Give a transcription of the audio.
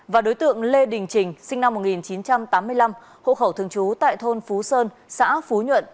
và đối tượng lê đình trình sinh năm một nghìn chín trăm tám mươi năm hộ khẩu thường trú tại thôn phú sơn xã phú nhuận